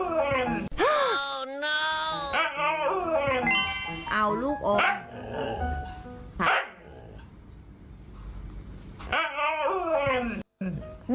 เอาลูกอม